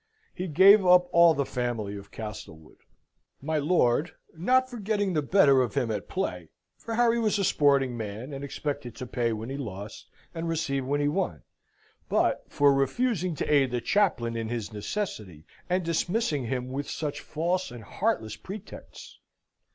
He gave up all the family of Castlewood my lord, not for getting the better of him at play; for Harry was a sporting man, and expected to pay when he lost, and receive when he won; but for refusing to aid the chaplain in his necessity, and dismissing him with such false and heartless pretexts.